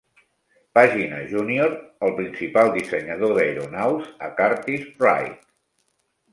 Pàgina Junior el principal dissenyador d'aeronaus a Curtiss-Wright.